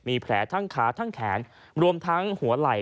มีแผลทั้งขาทั้งแขนรวมทั้งหัวไหล่